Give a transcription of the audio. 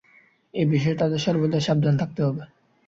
এ বিষয়ে তাঁদের সর্বদাই সাবধান থাকতে হবে।